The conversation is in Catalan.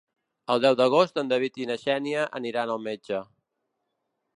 El deu d'agost en David i na Xènia aniran al metge.